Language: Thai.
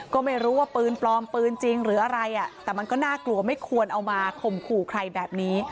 ก็ไม่รู้ว่าปืนปลอมปืนจริงหรืออะไรแต่มันก็น่ากลัวไม่ควรเอามาข่มขู่ใครแบบนี้